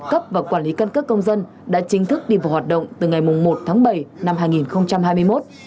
cấp và quản lý căn cước công dân đã chính thức đi vào hoạt động từ ngày một tháng bảy năm hai nghìn hai mươi một